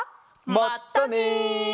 まったね！